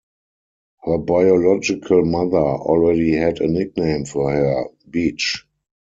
Her biological mother already had a nickname for her, beach.